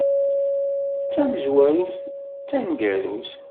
D tamezwarut d tneggarut.